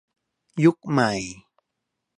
ยุคใหม่